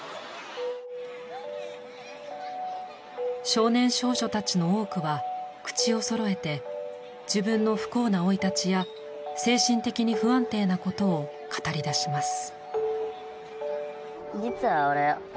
少年少女たちの多くは口をそろえて自分の不幸な生い立ちや精神的に不安定なことを語り出します。